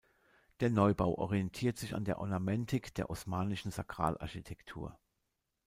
Der Neubau orientiert sich an die Ornamentik der osmanischen Sakralarchitektur.